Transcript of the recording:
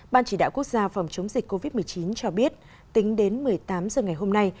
ban chỉ đạo quốc gia phòng chống dịch covid một mươi chín cho biết tính đến một mươi tám h ngày hôm nay